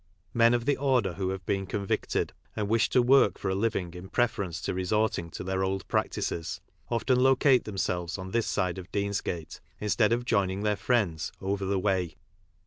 Men of the order who have been convicted, and wish to work for a living in preference to resorting to their old practices, often locate themselves on this side of Beansgate instead of joining their friends "over the way."